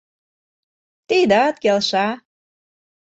- Тидат келша.